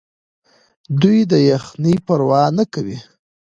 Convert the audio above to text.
دوی د یخنۍ پروا نه کوي.